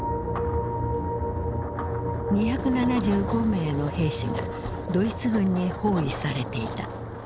２７５名の兵士がドイツ軍に包囲されていた。